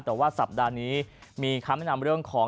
แต่ว่าสัปดาห์นี้มีคำแนะนำเรื่องของ